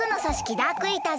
ダークイーターズ